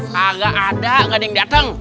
kagak ada gak ada yang dateng